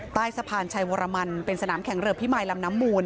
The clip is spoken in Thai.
ใต้สะพานชัยวรมันเป็นสนามแข่งเรือพิมายลำน้ำมูล